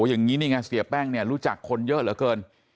อย่างนี้นี่ไงเสียแป้งเนี่ยรู้จักคนเยอะเหลือเกิน